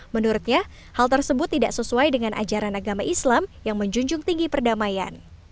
menurutnya hal tersebut tidak sesuai dengan ajaran agama islam yang menjunjung tinggi perdamaian